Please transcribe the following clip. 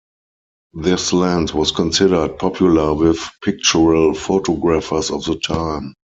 This lens was considered popular with pictorial photographers of the time.